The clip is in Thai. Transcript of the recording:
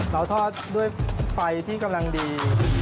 เราทอดด้วยไฟที่กำลังดี